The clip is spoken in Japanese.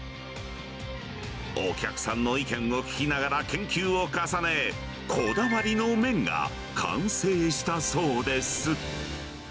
お客さんの意見を聞きながら研究を重ね、こだわりの麺が完成したそうです。